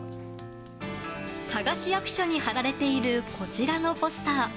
佐賀市役所に貼られているこちらのポスター。